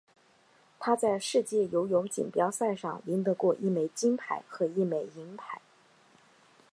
他在世界游泳锦标赛上赢得过一枚金牌和一枚银牌。